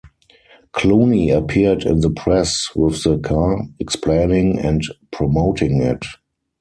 Clooney appeared in the press with the car, explaining and promoting it.